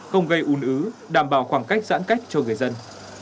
không gây un ứ đảm bảo khoảng cách giãn cách cho người dân